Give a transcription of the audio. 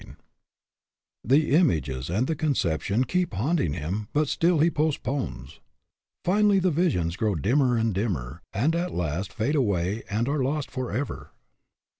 AN OVERMASTERING PURPOSE 115 The images and the conception keep haunting him, but he still postpones. Finally the visions grow dimmer and dimmer, and at hast fade away and are lost forever.